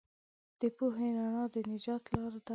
د پوهې رڼا د نجات لار ده.